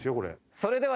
それでは。